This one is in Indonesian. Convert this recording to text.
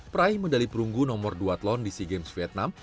peraih medali perunggu nomor dua tlon di sea games vietnam